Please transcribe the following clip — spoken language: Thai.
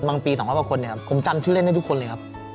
บางปี๒๐๐คนผมจำชื่อเล่นให้ทุกคนเลยครับ